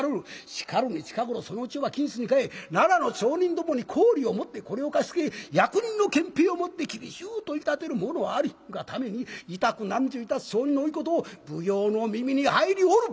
しかるに近頃そのうちは金子に換え奈良の町人どもに高利をもってこれを貸し付け役人の権柄をもって厳しゅう取り立てる者あるがためにいたく難渋いたす町人の多いことを奉行の耳に入りおる！